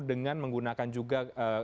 dengan menggunakan juga